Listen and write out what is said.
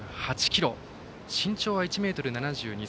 身長は１ｍ７２ｃｍ。